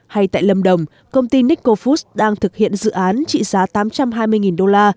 hay tại lâm đồng công ty nikofood đang thực hiện dự án trị giá tám trăm hai mươi đô la